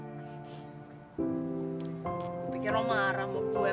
saya pikir kamu marah sama saya